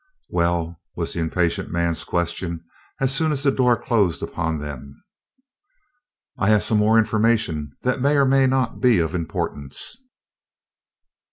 "Well?" was the impatient man's question as soon as the door closed upon them. "I have some more information that may or may not be of importance."